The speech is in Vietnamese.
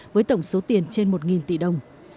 với tổng số tiền trên một tỷ đồng